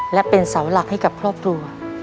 และเป็นเสาหลักให้กับครอบครัว